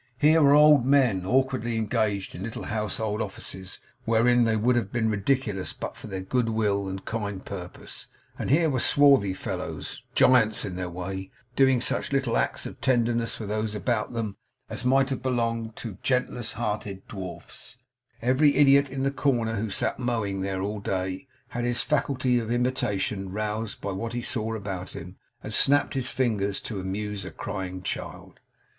Here were old men awkwardly engaged in little household offices, wherein they would have been ridiculous but for their good will and kind purpose; and here were swarthy fellows giants in their way doing such little acts of tenderness for those about them, as might have belonged to gentlest hearted dwarfs. The very idiot in the corner who sat mowing there, all day, had his faculty of imitation roused by what he saw about him; and snapped his fingers to amuse a crying child.